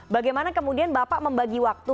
bagaimana kemudian bapak membagi waktu